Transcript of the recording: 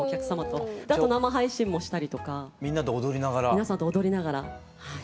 皆さんと踊りながらはい。